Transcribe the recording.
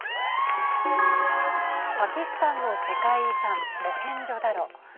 パキスタンの世界遺産モヘンジョダロ。